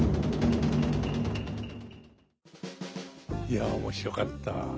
いや面白かった。